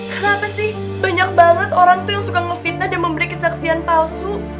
kenapa sih banyak banget orang tuh yang suka ngefitnah dan memberi kesaksian palsu